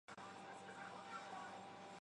球场还承办女子及青年足球的国际比赛。